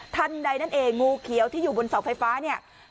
ท่านใดนั่นเองงูเขียวที่อยู่บนเสาไฟฟ้าเนี่ย